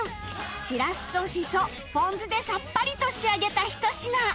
しらすとしそポン酢でさっぱりと仕上げたひと品